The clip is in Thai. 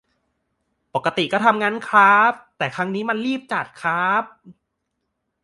ปกติก็ทำงั้นคร้าบ แต่ครั้งนี้มันรีบจัดคร้าบ